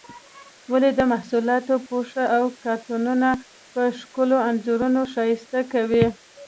ولې د محصولاتو پوښونه او کارتنونه په ښکلو انځورونو ښایسته کوي؟